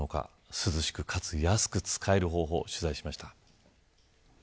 涼しく、かつ安く使える方法取材しました。